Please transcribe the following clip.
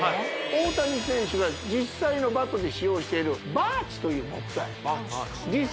大谷選手が実際のバットで使用しているバーチという木材バーチ？